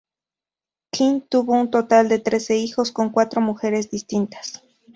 Quinn tuvo un total de trece hijos con cuatro mujeres distintas.